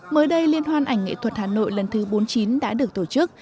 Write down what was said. mới đây liên hoan ảnh nghệ thuật hà nội lần thứ bốn mươi chín đã được tổ chức